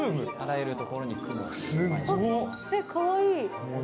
◆え、かわいい。